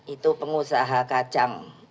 itu pengusaha kacang